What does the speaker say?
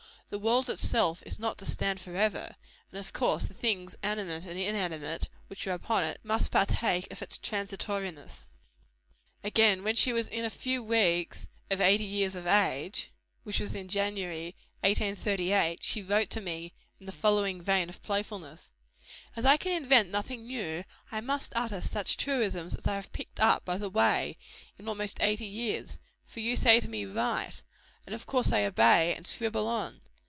The world itself is not to stand forever; and of course the things animate and inanimate which are upon it, must partake of its transitoriness." Again, when she was within a few weeks of eighty years of age, (which was in January, 1838,) she wrote to me in the following vein of playfulness: "As I can invent nothing new, I must utter such truisms as I have picked up by the way, in almost eighty years; for you say to me, write and of course I obey, and scribble on.